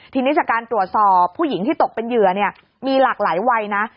ทีนี้จากการตรวจสอบผู้หญิงที่ตกเป็นเหยื่อเนี่ยมีหลากหลายวัยนะ